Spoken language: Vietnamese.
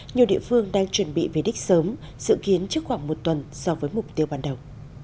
nhiều địa phương đang chuẩn bị về đích sớm dự kiến trước khoảng một tuần so với mục tiêu ban đầu